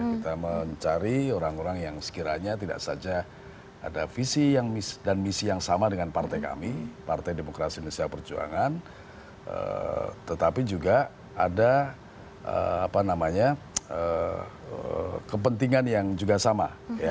kita mencari orang orang yang sekiranya tidak saja ada visi dan misi yang sama dengan partai kami partai demokrasi indonesia perjuangan tetapi juga ada kepentingan yang juga sama